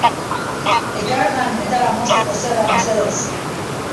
Ekardan metala mozteko zerra mesedez.